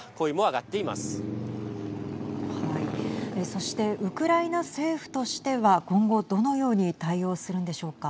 そしてウクライナ政府としては今後、どのように対応するんでしょうか。